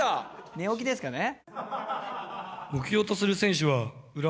寝起きですかね。